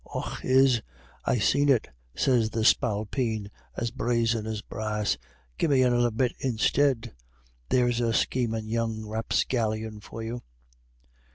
'Och, yis; I seen it,' sez the spalpeen, as brazen as brass. 'Gimme 'noder bit instid.' There's a schemin' young rapscallion for you!"